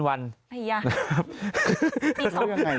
ปี๒๕๖๕